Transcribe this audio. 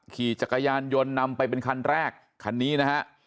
ขี่จักรยานยนต์นำไปเป็นคันแรกคันนี้นะฮะ